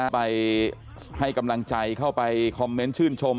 ไปให้กำลังใจเข้าไปคอมเมนต์ชื่นชม